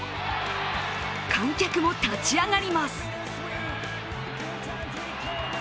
観客も立ち上がります。